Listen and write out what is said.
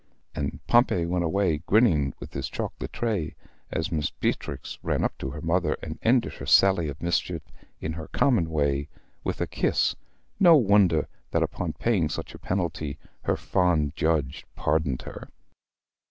And Pompey went away grinning with his chocolate tray as Miss Beatrix ran up to her mother and ended her sally of mischief in her common way, with a kiss no wonder that upon paying such a penalty her fond judge pardoned her.